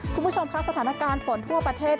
คุณผู้ชมค่ะสถานการณ์ฝนทั่วประเทศ